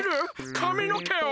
かみのけを！？